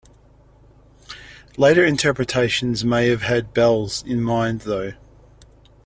Later interpretations may have had "Belz" in mind, though.